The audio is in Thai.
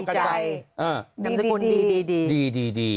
น้ำสกุลดี